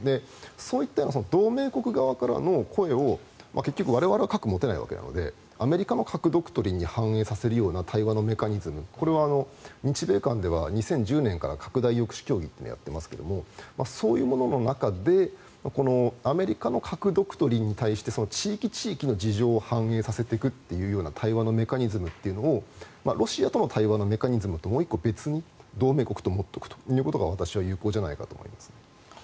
そういった同盟国側からの声を結局、我々は核を持てないわけなのでアメリカの核ドクトリンに反映させるような対話のメカニズムこれは日米間では２０１０年から拡大抑止協議をやっていますがそういうものの中でアメリカの核ドクトリンに対して地域地域の事情を反映させていくような対話のメカニズムをロシアとの対話のメカニズムともう１個別に同盟国と持っておくということが私は有効じゃないかと思います。